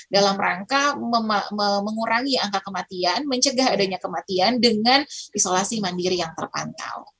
dalam rangka mengurangi angka kematian mencegah adanya kematian dengan isolasi mandiri yang terpantau